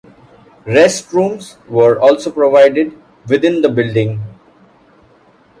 Restrooms were also provided within the building.